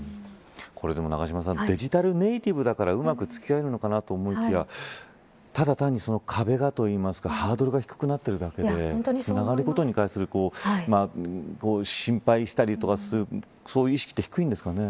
これ永島さんデジタルネイティブだからうまく付き合えるのかなと思いきやただ単に、壁がというかハードルが低くなっているだけでつながることに関する心配したりとかするそういう意識は低いですかね。